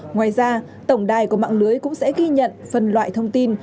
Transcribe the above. ngoài ra tổng đài của mạng lưới cũng sẽ ghi nhận phân loại thông tin